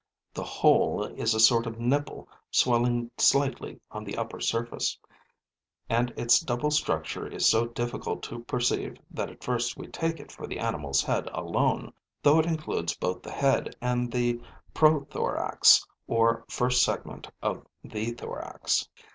The whole is a sort of nipple swelling slightly on the upper surface; and its double structure is so difficult to perceive that at first we take it for the animal's head alone, though it includes both the head and the prothorax, or first segment of the thorax.